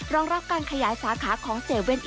รองรับการขยายสาขาของ๗๑๑